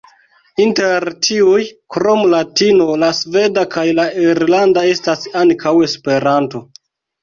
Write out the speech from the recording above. Inter tiuj, krom latino, la sveda kaj la irlanda estas ankaŭ Esperanto.